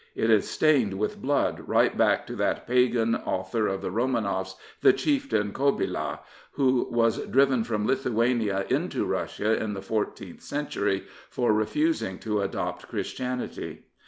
It is stained with blood right back to that pagan author of the Romanoffs, the chieftain Kobyla, who was driven from Lithuania into Russia in the fourteenth century for refusing to adopt Christianity.